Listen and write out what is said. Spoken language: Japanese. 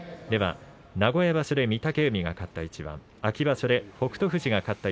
名古屋場所で御嶽海が勝った一番秋場所で北勝